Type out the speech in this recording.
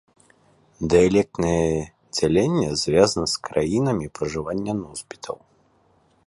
Дыялектнае дзяленне звязана з краінамі пражывання носьбітаў.